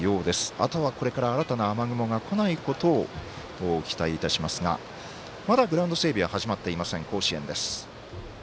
あとはこれから新たな雨雲が来ないことを期待いたしますがまだ、グラウンド整備は始まっていません、甲子園。